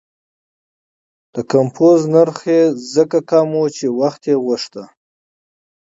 د کمپوز نرخ یې ځکه کم و چې وخت یې غوښته.